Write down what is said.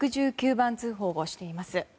番通報をしています。